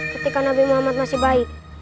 ketika nabi muhammad masih baik